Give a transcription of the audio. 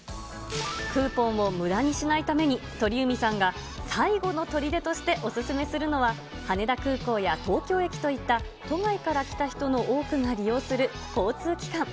クーポンを無駄にしないために、鳥海さんが最後のとりでとしてお勧めするのは、羽田空港や東京駅といった、都外から来た人の多くが利用する交通機関。